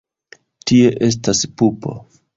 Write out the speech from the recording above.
Tie estas pupo.